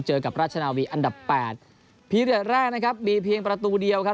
เจอกับราชนาวีอันดับแปดพีเดือดแรกนะครับมีเพียงประตูเดียวครับ